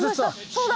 そうだ！